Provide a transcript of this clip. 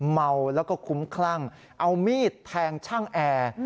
เมาแล้วก็คุ้มคลั่งเอามีดแทงช่างแอร์